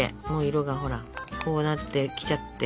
色がほらこうなってきちゃって。